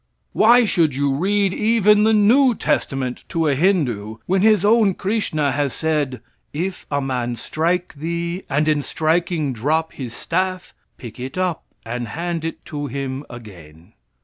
Why should you read even the new testament to a Hindoo, when his own Chrishna has said: "If a man strike thee, and in striking drop his staff, pick it up and hand it to him again?"